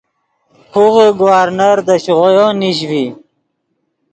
خوغے گورنر دے شیغویو نیش ڤی